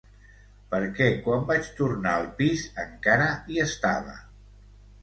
Perquè quan vaig tornar al pis, encara hi estava.